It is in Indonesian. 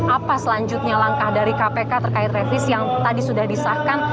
apa selanjutnya langkah dari kpk terkait revisi yang tadi sudah disahkan